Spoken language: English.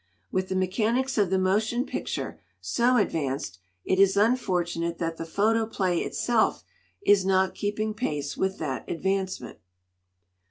With the mechanics of the motion picture so advanced, it is unfortunate that the photoplay itself is not keeping pace with that advancement.